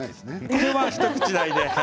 これは一口大で。